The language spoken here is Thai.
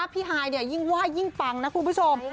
พี่ฮายยิ่งว่ายยิ่งปังนะคุณผู้ชม